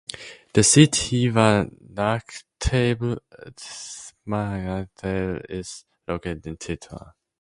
The Siddhivinayak Mahaganapati Temple is located at Titwala.